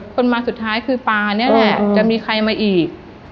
คนมาสุดท้ายคือปานี่แหละจะมีใครมาอีก